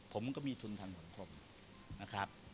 ผมก็มีทุนทางสังคมนะครับ